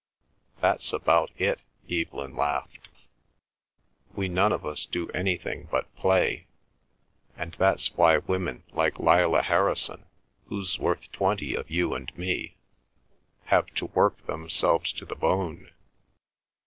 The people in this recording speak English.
"That's about it!" Evelyn laughed. "We none of us do anything but play. And that's why women like Lillah Harrison, who's worth twenty of you and me, have to work themselves to the bone.